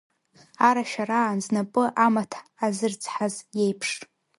Арашәараан, знапы амаҭ азырцҳаз иеиԥш…